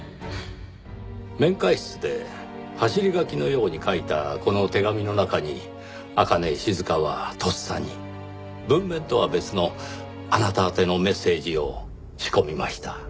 面会室で走り書きのように書いたこの手紙の中に朱音静はとっさに文面とは別のあなた宛てのメッセージを仕込みました。